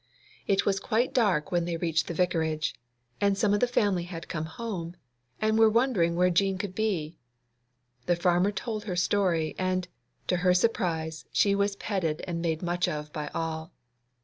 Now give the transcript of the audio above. It was quite dark when they reached the Vicarage, and some of the family had come home, and were wondering where Jean could be. The farmer told her story, and, to her surprise, she was petted and made much of by all.